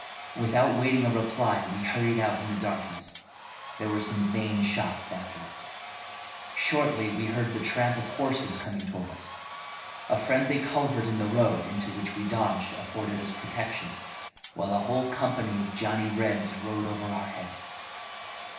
Without waiting a reply we hurried out in the darkness. There were some vain shots after us. Shortly we heard the tramp of horses coming toward us. A friendly culvert in the road into which we dodged afforded us protection while a whole company of Johnny Rebs rode over our heads.